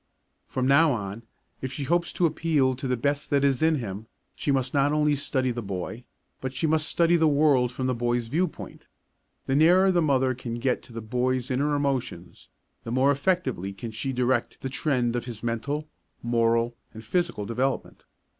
From now on, if she hopes to appeal to the best that is in him, she must not only study the boy, but she must study the world from the boy's viewpoint. The nearer the mother can get to the boy's inner emotions, the more effectively can she direct the trend of his mental, moral and physical development.